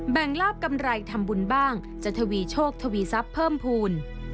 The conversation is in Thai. ลาบกำไรทำบุญบ้างจะทวีโชคทวีทรัพย์เพิ่มภูมิ